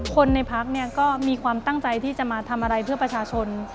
คนในพักเนี่ยก็มีความตั้งใจที่จะมาทำอะไรเพื่อประชาชน